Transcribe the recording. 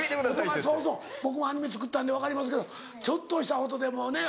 そうそう僕もアニメ作ったんで分かりますけどちょっとした音でもね